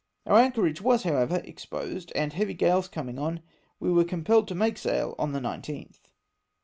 Our anchorage was, however, exposed, and heavy gales coming on, we were compelled to make sail on the 19th.